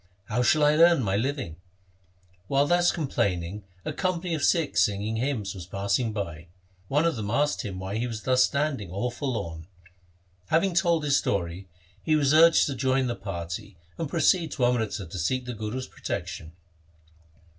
How shall I earn my living ?' While thus complain ing a company of Sikhs singing hymns was passing by. One of them asked him why he was thus stand ing all forlorn. Having told his story, he was urged to join the party and proceed to Amritsar to seek the Guru's protection.